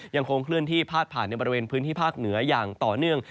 ยังคงเคลื่อนที่พาดผ่านในบริเวณพื้นที่ภาคเหนืออย่างต่อเนื่อง